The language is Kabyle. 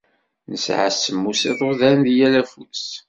Nesɛa semmus iḍuḍan di yal afus.